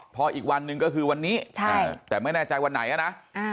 พออีกวันนึงวันนี้แต่ไม่แน่ใจวันไหนอะนะ